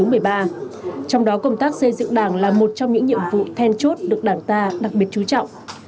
trong đó công tác xây dựng đảng là một trong những nhiệm vụ then chốt được đảng ta đặc biệt chú trọng